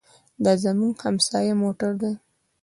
دا زموږ د همسایه موټر دی.